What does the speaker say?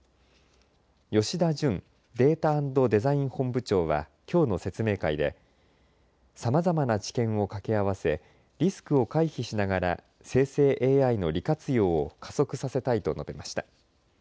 吉田順Ｄａｔａ＆Ｄｅｓｉｇｎ本部長はきょうの説明会でさまざまな知見を掛け合わせリスクを回避しながら生成ＡＩの利活用を加速させたいと述べました。